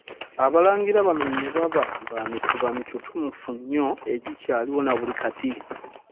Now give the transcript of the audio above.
Abalangira bano ne baba ba Mituba mitutumufu nnyo egikyaliwo na buli kati.